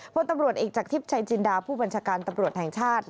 พลตำรวจเอกจากทิพย์ชัยจินดาผู้บัญชาการตำรวจแห่งชาติ